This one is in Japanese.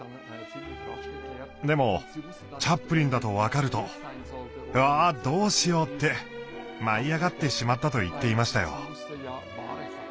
でもチャップリンだと分かると「うわどうしよう」って舞い上がってしまったと言っていましたよ。